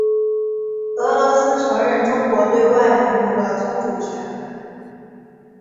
俄罗斯承认中国对外蒙古的宗主权。